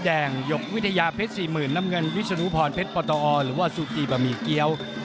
หยกวิทยาเพชร๔๐๐๐น้ำเงินวิศนุพรเพชรปตอหรือว่าซูจีบะหมี่เกี้ยว